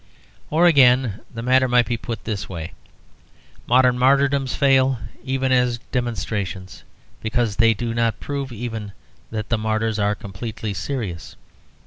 Or, again, the matter might be put in this way. Modern martyrdoms fail even as demonstrations, because they do not prove even that the martyrs are completely serious.